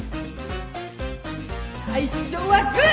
最初はグー！